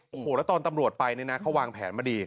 โอ้โหแล้วตอนตำรวจไปเนี่ยนะเขาวางแผนมาดี